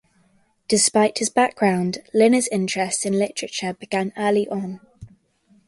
Despite his background, Linna's interest in literature began early on.